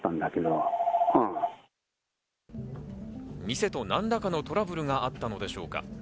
店と何らかのトラブルがあったのでしょうか？